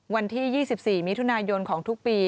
วันที่๒๔มิถุนายนของทุกปี